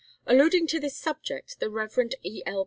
Alluding to this subject the Rev. E. L.